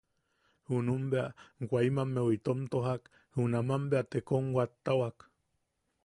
Junuʼu bea Waimammeu itom tojak, junaman bea te kom woʼotawak.